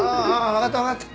わかったわかった。